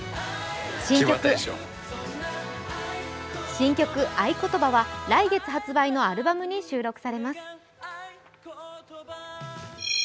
新曲「あいことば」は来月発売のアルバムに収録されます。